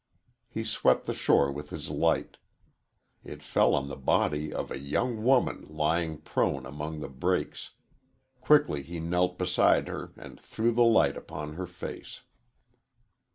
He swept the shore with his light. It fell on the body of a young woman lying prone among the brakes. Quickly he knelt beside her and threw the light upon her face.